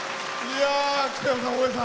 北山さん、大江さん